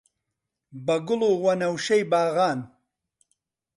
بە گوڵ و وەنەوشەی باغان